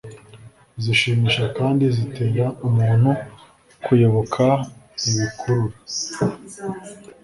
zishimisha kandi zitera umuntu kuyoboka ibikurura